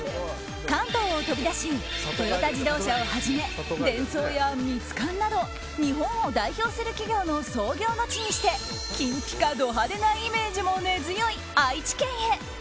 関東を飛び出しトヨタ自動車をはじめデンソーやミツカンなど日本を代表する企業の創業の地にして金ぴかド派手なイメージも根強い愛知県へ。